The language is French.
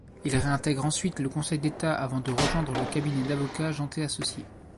Il réintègre ensuite le Conseil d’État avant de rejoindre le cabinet d’avocats Jeantet Associés.